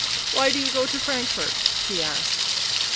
" Why do you go to Frankfort?" he asked.